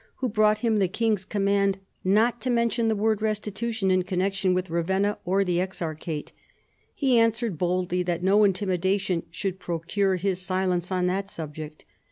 of Aistulf, who brought him the king's command not to mention the word restitution in connection with Ravenna or the exarchate. He answered boldly that no intimidation should procure his silence on that subject.